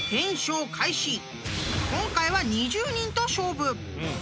［今回は２０人と勝負！］